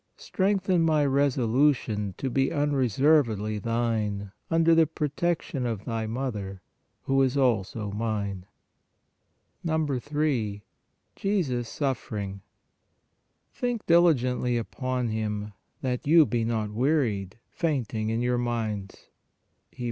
Strengthen my resolution to be unreservedly Thine under the protection of Thy Mother, who is also mine. 3. JESUS SUFFERING "Think diligently upon Him, ... that you be not wearied, fainting in your minds" (Hebr.